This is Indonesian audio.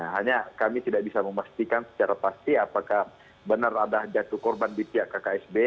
hanya kami tidak bisa memastikan secara pasti apakah benar ada jatuh korban di pihak kksb